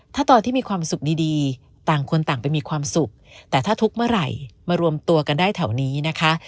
ถ้าตอนที่มีความสุขดีต่างคนต่างไปมีความสุขแต่ถ้าทุกข์เมื่อไหร่มารวมตัวกันได้แถวนี้นะคะ